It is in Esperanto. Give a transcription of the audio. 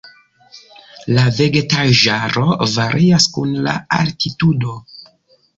La vegetaĵaro varias kun la altitudo.